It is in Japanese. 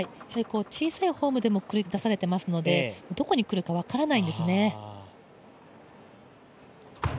小さいフォームでも繰り出されていますのでどこに来るか分からないんですね。